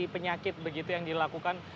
penyakit begitu yang dilakukan